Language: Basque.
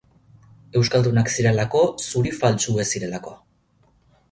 Euskaldunak zirelako, zuri faltsu ez zirelako.